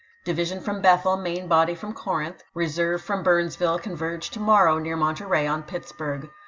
Division from Bethel, main body from Corinth, reserve from Burnsville converge to morrow near Monterey on Johnston Pittsburg.